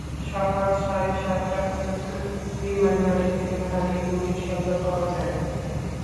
সকাল সাড়ে সাতটা পর্যন্ত বিমানঘাঁটি থেকে ভারী গুলির শব্দ পাওয়া যায়।